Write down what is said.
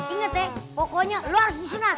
inget pokoknya luar disana